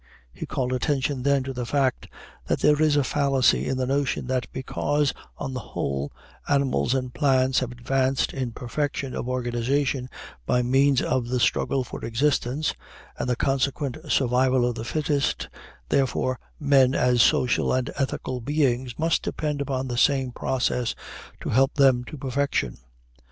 He called attention then to the fact that there is a fallacy in the notion that because, on the whole, animals and plants have advanced in perfection of organization by means of the struggle for existence and the consequent survival of the fittest, therefore, men as social and ethical beings must depend upon the same process to help them to perfection.